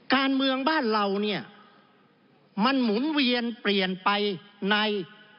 การเมืองบ้านเราเนี่ยมันหมุนเวียนเปลี่ยนไปใน